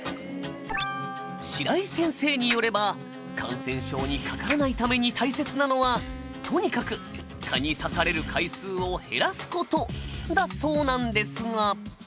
白井先生よれば感染症にかからないために大切なのはとにかく蚊に刺される回数を減らす事だそうなんですが。